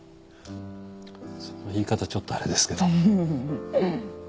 その言い方ちょっとあれですけど。